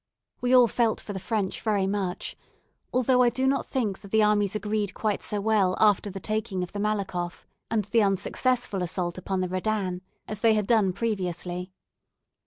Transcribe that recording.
We all felt for the French very much, although I do not think that the armies agreed quite so well after the taking of the Malakhoff, and the unsuccessful assault upon the Redan, as they had done previously.